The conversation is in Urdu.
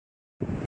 کانگو